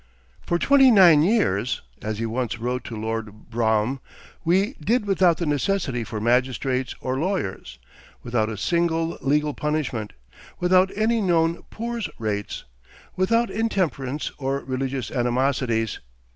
"For twenty nine years," as he once wrote to Lord Brougham, "we did without the necessity for magistrates or lawyers; without a single legal punishment; without any known poors' rates; without intemperance or religious animosities.